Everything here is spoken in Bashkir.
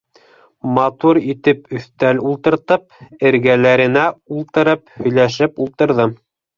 Матур итеп өҫтәл ултыртып, эргәләренә ултырып һөйләшеп ултырҙым.